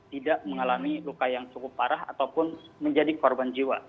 tidak mengalami luka yang cukup parah ataupun menjadi korban jiwa